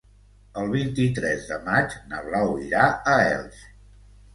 El vint-i-tres de maig na Blau irà a Elx.